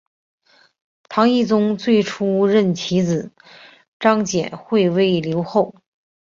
唐懿宗最初任其子张简会为留后。